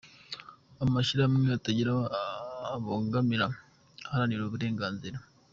Amashyirahamwe atagira aho abogamiye, aharanira uburenganzira